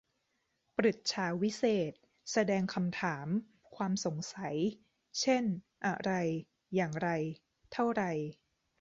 ปฤจฉาวิเศษณ์ แสดงคำถาม ความสงสัย เช่น อะไร อย่างไร เท่าไร